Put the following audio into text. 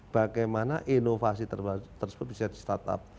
bagaimana inovasi tersebut bisa di start up